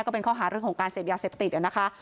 ก็เป็นข้อหาเรื่องของการเสพยาเสพติดนะคะ